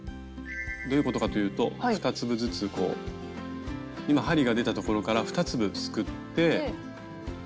どういうことかというと２粒ずつこう今針が出たところから２粒すくって。